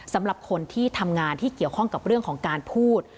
สำหรับคนที่ทำงานที่เกี่ยวข้องกับเรื่องของการพูด